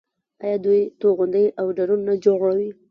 آیا دوی توغندي او ډرون نه جوړوي؟